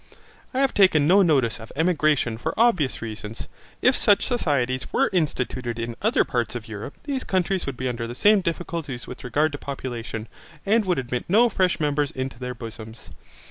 I have taken no notice of emigration for obvious reasons. If such societies were instituted in other parts of Europe, these countries would be under the same difficulties with regard to population, and could admit no fresh members into their bosoms.